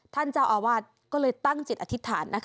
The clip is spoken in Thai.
ท่านเจ้าอาวาสก็เลยตั้งจิตอธิษฐานนะคะ